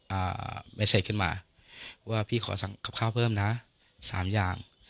อ่าเม็ดเสร็จขึ้นมาว่าพี่ขอสั่งกับข้าวเพิ่มนะสามอย่าง